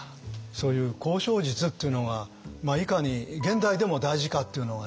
そういう交渉術っていうのがいかに現代でも大事かっていうのがね